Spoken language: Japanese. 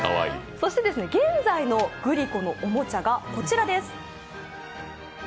現在のグリコのおもちゃがこちらです。